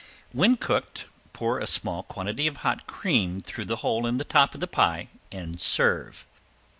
When cooked, pour a small quantity of hot cream through the hole in the top of the pie, and serve.